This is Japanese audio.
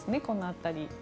この辺り。